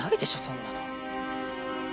そんなの！